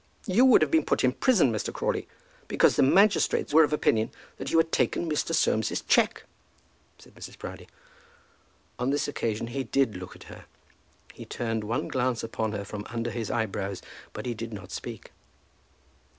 "You would have been put in prison, Mr. Crawley, because the magistrates were of opinion that you had taken Mr. Soames's cheque," said Mrs. Proudie. On this occasion he did look at her. He turned one glance upon her from under his eyebrows, but he did not speak.